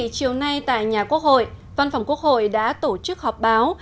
chiều nay tại nhà quốc hội văn phòng quốc hội đã tổ chức họp báo